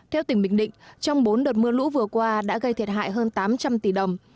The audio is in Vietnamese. theo tỉnh bình định trong bốn đợt mưa lũ vừa qua đã gây thiệt hại hơn tám trăm linh tỷ đồng